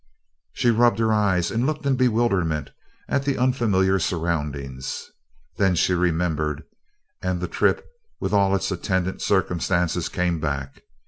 She rubbed her eyes and looked in bewilderment at the unfamiliar surroundings. Then she remembered, and the trip with all its attendant circumstances came back.